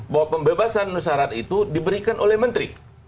bahwa pembebasan bersyarat itu di berikan oleh menteri